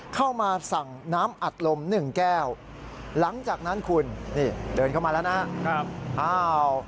เข้ามาสั่งน้ำอัดลม๑แก้วหลังจากนั้นคุณนี่เดินเข้ามาแล้วนะครับ